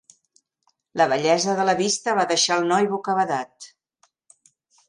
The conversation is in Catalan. La bellesa de la vista va deixar el noi bocabadat.